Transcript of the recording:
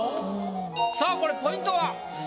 さあこれポイントは？